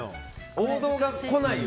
王道が来ないの。